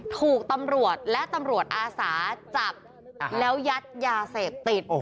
ถูกตำรวจและตำรวจอาสาจับแล้วยัดยาเสพติด